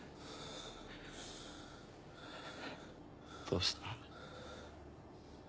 どうした。